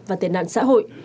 và tiền nạn xã hội